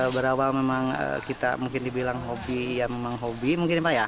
berawal memang kita mungkin dibilang hobi ya memang hobi mungkin ya pak ya